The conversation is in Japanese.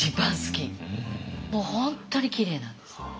もう本当にきれいなんです。